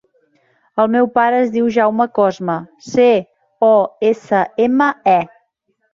El meu pare es diu Jaume Cosme: ce, o, essa, ema, e.